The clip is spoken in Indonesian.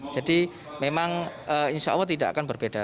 jadi memang insya allah tidak akan berbeda